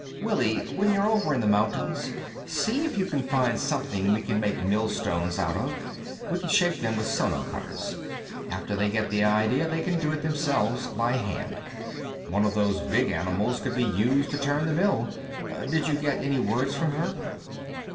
"Willi, when you're over in the mountains, see if you can find something we can make millstones out of. We can shape them with sono cutters; after they get the idea, they can do it themselves by hand. One of those big animals could be used to turn the mill. Did you get any words from her?"